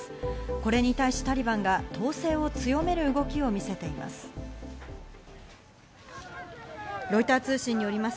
これに対しタリバンが統制を強める動きをみせています。